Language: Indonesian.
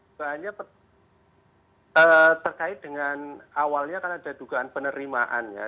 sebenarnya terkait dengan awalnya karena ada dugaan penerimaan ya